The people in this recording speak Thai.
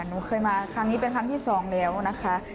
หนูเคยมาครั้งนี้เป็นครั้งที่สองแล้วนะคะ